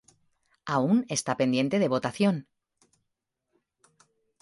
Aún está pendiente de votación.